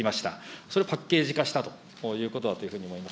それをパッケージ化したということだというふうにも思います。